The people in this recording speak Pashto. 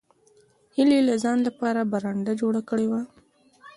هیلې د ځان لپاره برنډه جوړه کړې وه